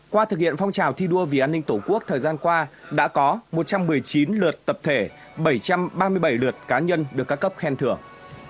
qua thực hiện phong trào thi đua vì an ninh tổ quốc thời gian qua đã có một trăm một mươi chín lượt tập thể bảy trăm ba mươi bảy lượt cá nhân được các cấp khen thưởng